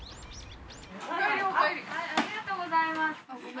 ありがとうございます。